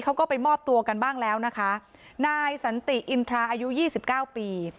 เขาก็ไปมอบตัวกันบ้างแล้วนะคะนายสันติอินทราอายุยี่สิบเก้าปี